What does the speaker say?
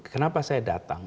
kenapa saya datang